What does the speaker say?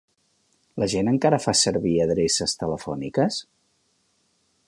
La gent encara fa servir adreces telefòniques?